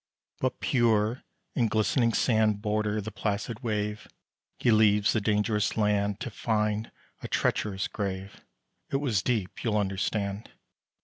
But pure and glistening sand Border the placid wave; He leaves the dangerous land, To find a treacherous grave: It was deep, you'll understand.